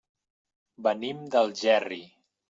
Venim d'Algerri.